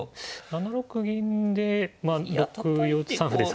７六銀で６三歩ですかね。